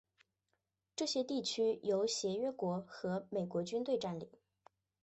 这些地区由协约国和美国军队占领。